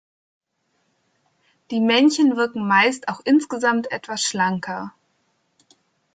Die Männchen wirken meist auch insgesamt etwas schlanker.